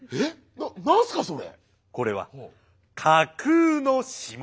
なんすかそれ！